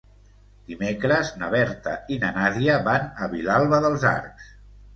Dimecres na Berta i na Nàdia van a Vilalba dels Arcs.